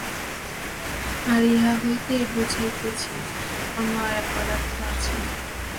আর ইহা হইতেই বুঝাইতেছে, অন্য আর এক পদার্থ আছে।